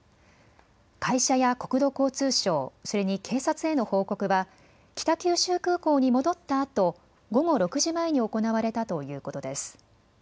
会社や国土交通省、それに警察への報告は北九州空港に戻ったあと午後６時前に行われたということです。